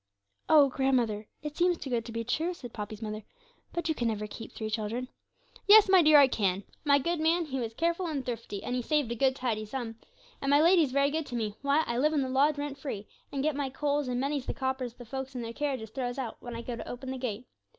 'Oh, grandmother, it seems too good to be true,' said Poppy's mother; 'but you can never keep three children.' 'Yes, my dear, I can; my good man, he was careful and thrifty, and he saved a good tidy sum. And my lady's very good to me, why, I live in the lodge rent free, and get my coals, and many's the coppers the folks in their carriages throws out, when I go to open the gate.